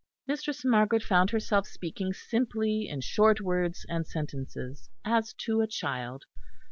Mistress Margaret found herself speaking simply in short words and sentences as to a child.